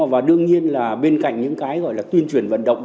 và đương nhiên là bên cạnh những cái gọi là tuyên truyền vận động